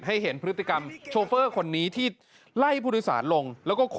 ให้เห็นพฤติกรรมชอเฟอร์คนนี้ที่ไล่พุทธศาสตร์ลง